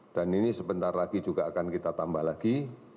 dan ini sebentar lagi juga akan kita tambah lagi